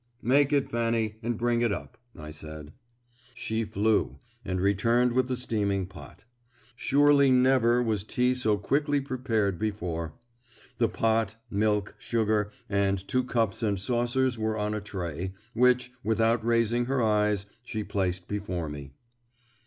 "Make it, Fanny, and bring it up," I said. She flew, and returned with the steaming pot. Surely never was tea so quickly prepared before. The pot, milk, sugar, and two cups and saucers were on a tray, which, without raising her eyes, she placed before me.